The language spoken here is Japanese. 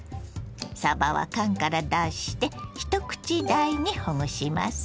さばは缶から出して１口大にほぐします。